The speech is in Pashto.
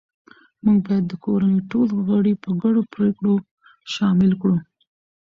موږ باید د کورنۍ ټول غړي په ګډو پریکړو شامل کړو